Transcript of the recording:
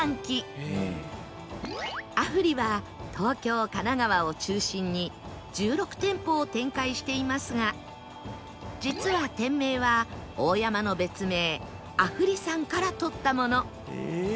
ＡＦＵＲＩ は東京神奈川を中心に１６店舗を展開していますが実は店名は大山の別名阿夫利山から取ったもの